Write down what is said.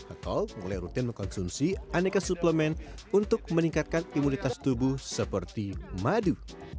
atau mulai rutin mengkonsumsi aneka suplemen untuk meningkatkan imunitas tubuh seperti madu